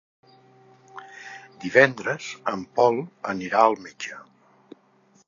Divendres en Pol anirà al metge.